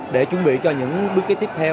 để chuẩn bị cho những bước tiếp theo